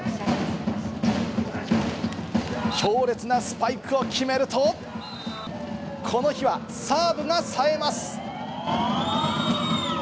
強烈なスパイクを決めると、この日はサーブが冴えます。